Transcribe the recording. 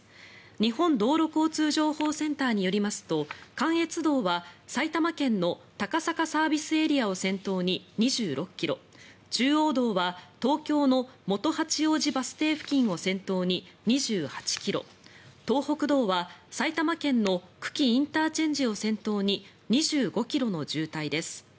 日本道路交通情報センターによりますと関越道は、埼玉県の高坂ＳＡを先頭に２６ｋｍ中央道は東京の元八王子バス停付近を先頭に２８ｋｍ東北道は埼玉県の久喜ＩＣを先頭に２５ｋｍの渋滞です。